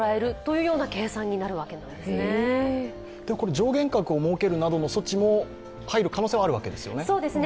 上限額を設けるなどの措置も入る可能性もあるわけですね。